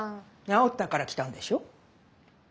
治ったから来たんでしょ。